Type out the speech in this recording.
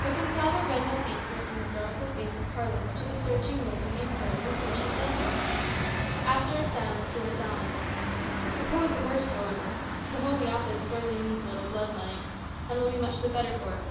But Gonsalvo read no answer in the sorrowful face of Carlos to the searching look of inquiry with which he said this. After a silence he went on, "Suppose the worst, however. The Holy Office sorely needs a little blood letting, and will be much the better for it.